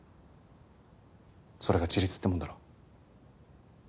それが自立ってもんだろ。